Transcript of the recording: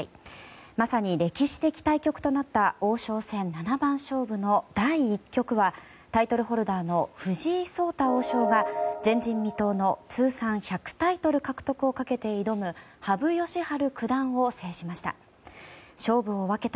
まさに歴史的対局となった王将戦七番勝負の第１局はタイトルホルダーの藤井聡太王将が前人未到の、通算１００タイトル獲得をかけて挑む羽生善治九段を制しました。